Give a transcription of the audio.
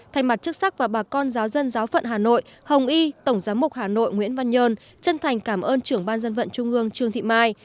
thay mặt chức sắc và bà con giáo dân giáo phận hà nội hồng y tổng giám mục hà nội nguyễn văn nhơn chân thành cảm ơn trưởng ban dân vận trung ương trương thị mai